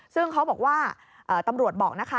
ซึ่งเขาบอกว่าตำรวจบอกนะคะ